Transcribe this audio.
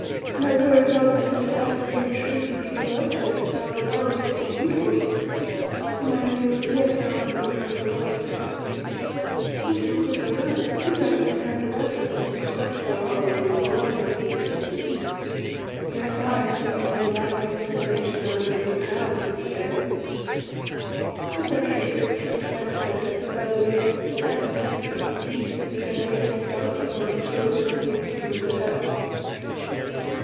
"Now, were it not because of thy strange shrinking from bloodshed, however politic and needful for my Leo, as yet thou art no true philosopher this were quickly done, since I can command a weapon which would crush their armouries and whelm their navies in the deep; yes, I, whom even the lightnings and Nature's elemental powers must obey. But thou shrinkest from the sight of death, and thou believest that Heaven would be displeased because I make myself or am chosen the instrument of Heaven.